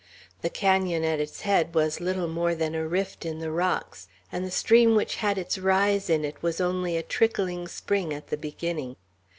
The canon at its head was little more than a rift in the rocks, and the stream which had its rise in it was only a trickling spring at the beginning.